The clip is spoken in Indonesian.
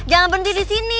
jangan berhenti di sini